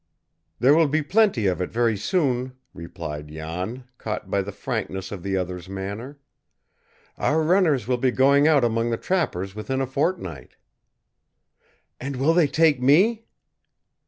"There will be plenty of it very soon," replied Jan, caught by the frankness of the other's manner. "Our runners will be going out among the trappers within a fortnight." "And will they take me?"